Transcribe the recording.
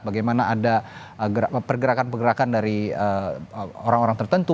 bagaimana ada pergerakan pergerakan dari orang orang tertentu